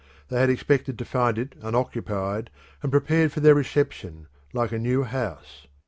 They had expected to find it unoccupied and prepared for their reception like a new house.